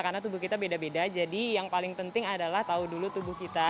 karena tubuh kita beda beda jadi yang paling penting adalah tahu dulu tubuh kita